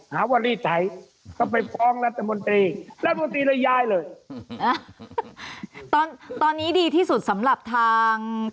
วรีสัยก็ไปฟ้องรัฐมนตรีรัฐมนตรีเลยย้ายเลยตอนตอนนี้ดีที่สุดสำหรับทาง